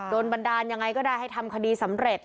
บันดาลยังไงก็ได้ให้ทำคดีสำเร็จ